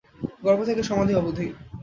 গর্ভ থেকে সমাধি অবধি।